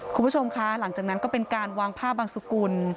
คุณผู้ชมคะหลังจากนั้นก็เป็นการวางผ้าบังสุกุล